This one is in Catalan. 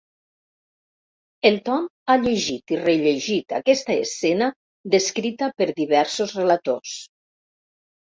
El Tom ha llegit i rellegit aquesta escena descrita per diversos relators.